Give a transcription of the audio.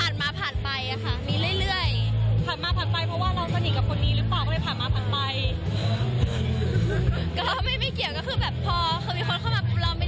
ยังเลยพี่หนูไม่มีเวลา